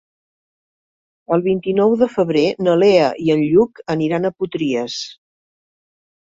El vint-i-nou de febrer na Lea i en Lluc aniran a Potries.